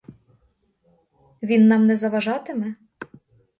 Він нам не заважатиме?